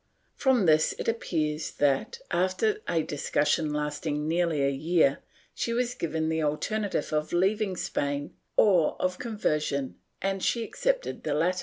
From this it appears that, after a discussion lasting nearly a year, she was given the alternative of leaving Spain or of conversion and that she accepted the latter.